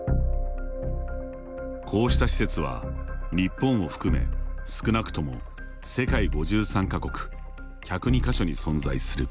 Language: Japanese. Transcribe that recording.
こうした施設は日本を含め少なくとも世界５３か国１０２か所に存在する。